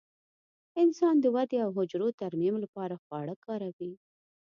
انسان د ودې او حجرو ترمیم لپاره خواړه کاروي.